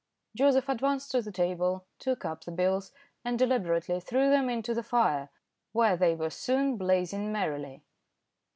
Joseph advanced to the table, took up the bills, and deliberately threw them into the fire, where they were soon blazing merrily.